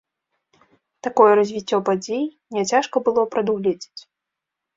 Такое развіццё падзей не цяжка было прадугледзець.